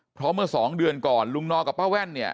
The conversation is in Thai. เพราะเมื่อสองเดือนก่อนลุงนอกับป้าแว่นเนี่ย